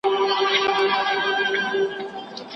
په سراب کي دي په زړه سوم لاس دي جارسم